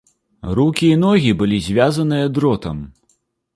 Рукі і ногі былі звязаныя дротам.